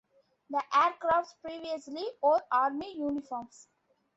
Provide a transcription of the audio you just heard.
The Air Corps previously wore army uniforms.